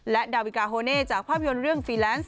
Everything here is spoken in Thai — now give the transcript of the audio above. และดาวิกาโฮเน่จากภาพยนตร์เรื่องฟีแลนซ์